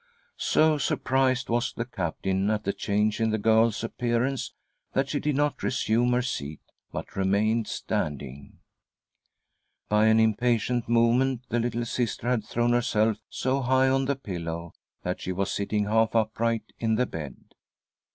So surprised was the Captain at the change in the girl's appearance that she did not resume her seat, but remained standing. By an impatient movement the little Sister had thrown herself so high on the pillow that she was ■*■"•. THE STORM: WITHIN THE SOUL 13 sitting half upright in the bed.